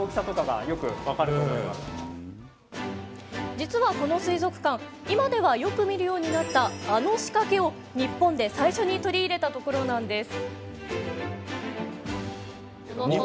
実は、この水族館今では、よく見るようになったあの仕掛けを日本で最初に取り入れたところなんです。